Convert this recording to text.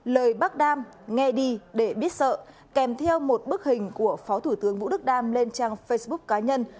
lời bác đam nghe đi để biết sợ kèm theo một bức hình của phó thủ tướng vũ đức đam lên trang facebook cá nhân